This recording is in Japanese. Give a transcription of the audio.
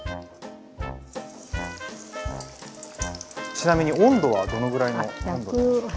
ちなみに温度はどのぐらいの温度でしょうか？